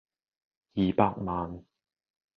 二百萬